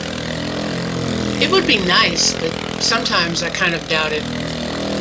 It would be nice, but sometimes I kind of doubt it.